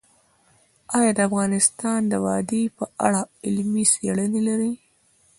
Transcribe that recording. افغانستان د وادي په اړه علمي څېړنې لري.